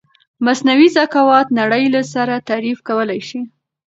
مثنوعې زکاوت نړی له سره تعریف کولای شې